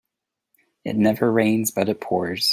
It never rains but it pours.